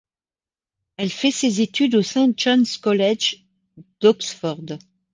Il fait ses études au St John's College d'Oxford.